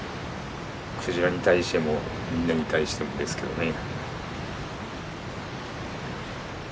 鯨に対してもみんなに対してもですけどね。